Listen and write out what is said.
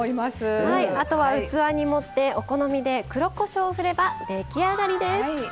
あとは器に盛ってお好みで黒こしょうを振れば出来上がりです。